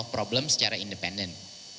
tidak bisa membuat keputusan secara independen